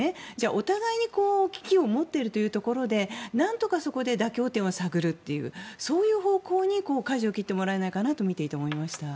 お互いに危機を持っているというところでなんとかそこで妥協点を探るというそういう方向にかじを切ってもらえないかなと見ていて思いました。。